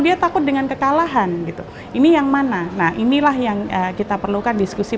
setiap itu atau dia takut dengan kekalahan gitu ini yang mana nah inilah yang kita perlukan diskusi